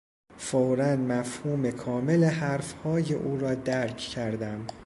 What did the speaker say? فورا مفهوم کامل حرفهای او را درک کردم.